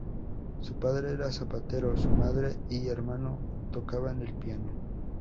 Su padre era zapatero, su madre y hermano tocaban el piano.